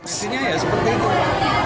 kondisinya ya seperti itu